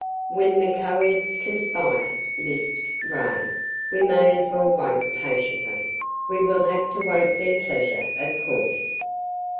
"When the Co Eds conspire," lisped Ray, "we may as well wait patiently. We will have to wait their pleasure, of course."